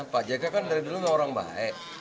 pak jk kan dari dulu memang orang baik